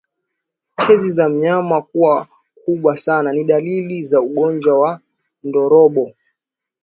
Tezi za mnyama kuwa kubwa sana ni dalili za ugonjwa wa ndorobo